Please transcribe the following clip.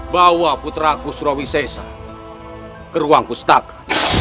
bawa puteraku surawisesa ke ruang kustaka